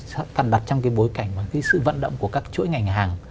cần đặt trong cái bối cảnh và cái sự vận động của các chuỗi ngành hàng